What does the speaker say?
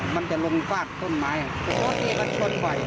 มันจะลงฟาดต้นไม้รถนี้ก็ชนไหว